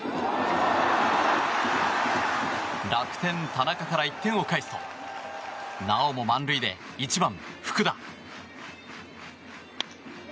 楽天、田中から１点を返すとなおも満塁で１番、福田。